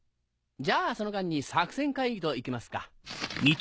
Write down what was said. じゃあその間に作戦会議と行きますか。